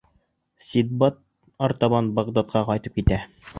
Синдбад артабан Бағдадҡа ҡайтып китә.